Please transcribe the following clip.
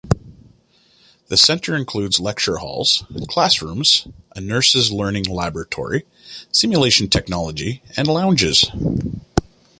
The Center includes lecture halls, classrooms, a nurses' learning laboratory, simulation technology, and lounges.